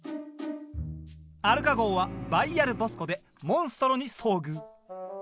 アルカ号はバイアルボスコでモンストロに遭遇。